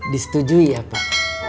disetujui ya pak